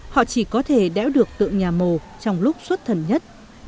họ chỉ có thể đéo được tượng nhà mồ trong lúc xuất thần nhất